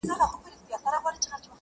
ځوان خپل څادر پر سر کړ~